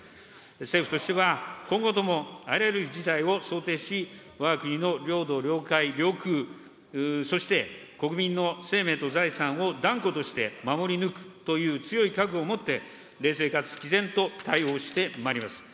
政府としては今後とも、あらゆる事態を想定し、わが国の領土・領海・領空、そして国民の生命と財産を断固として守り抜くという強い覚悟をもって、冷静かつきぜんと対応してまいります。